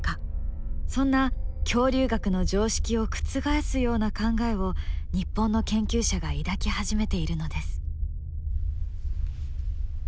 そんな恐竜学の常識を覆すような考えを日本の研究者が抱き始めているのです。